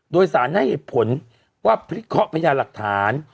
โดยสารให้เหตุผลว่าพลิกข้อพญาหลักฐาน